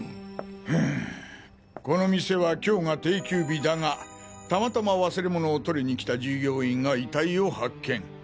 はぁこの店は今日が定休日だがたまたま忘れ物を取りに来た従業員が遺体を発見。